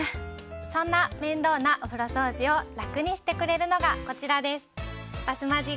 そんな面倒なお風呂掃除を楽にしてくれるのがこちらです。